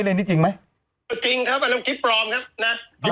เลยนี่จริงไหมจริงครับอันตัวคลิปปลอมครับนะ